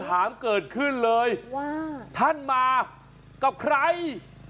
ถามเกิดขึ้นเลยว่าท่านมากับใคร